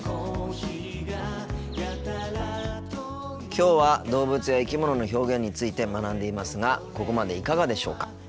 きょうは動物や生き物の表現について学んでいますがここまでいかがでしょうか。